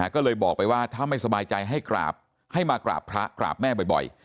ก็เลยบอกไปว่าถ้าไม่สบายใจให้กราบให้มากราบพระกราบแม่บ่อย